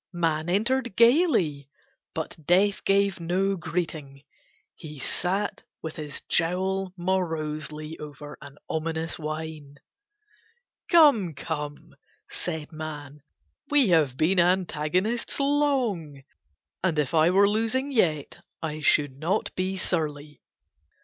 Man entered gaily but Death gave no greeting, he sat with his jowl morosely over an ominous wine. "Come, come," said Man, "we have been antagonists long, and if I were losing yet I should not be surly."